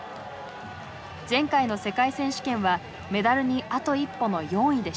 前回の世界選手権はメダルにあと一歩の４位でした。